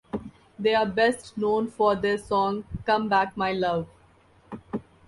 They are best known for their song "Come Back My Love".